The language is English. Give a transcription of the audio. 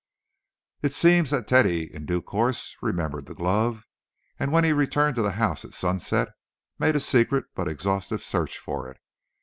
It seems that Teddy, in due course, remembered the glove, and when he returned to the house at sunset made a secret but exhaustive search for it.